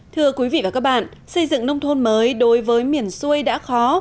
thưa quý vị và các bạn xây dựng nông thôn mới đối với miền xuôi đã khó